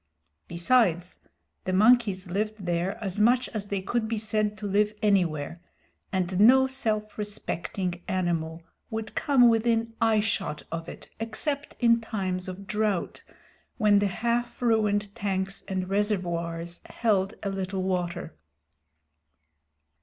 Besides, the monkeys lived there as much as they could be said to live anywhere, and no self respecting animal would come within eyeshot of it except in times of drought, when the half ruined tanks and reservoirs held a little water.